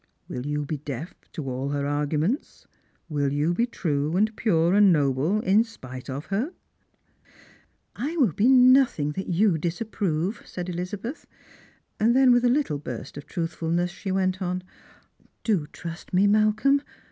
Will you be deaf to all her arguments? Will you be true and pure and noble in spite of her ?"" I will be nothing that you disapprove," said Elizabeth ; and then with a little burst of truthfulness she went on, " Do trust me, Malcolm.